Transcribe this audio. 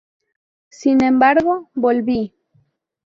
Sin embargo, volví.